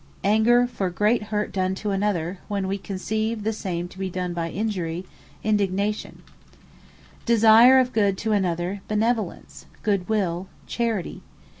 Indignation Anger for great hurt done to another, when we conceive the same to be done by Injury, INDIGNATION. Benevolence Desire of good to another, BENEVOLENCE, GOOD WILL, CHARITY.